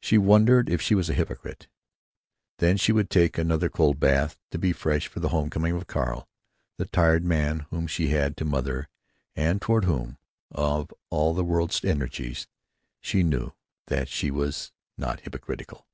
She wondered if she was a hypocrite.... Then she would take another cold bath to be fresh for the home coming of Carl, the tired man whom she had to mother, and toward whom, of all the world's energies, she knew that she was not hypocritical.